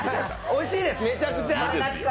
おいしいです。